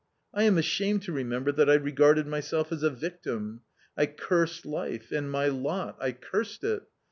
I am ashamed to remember that I regarded myself as a victim : I cursed life, and my lot— I cursed it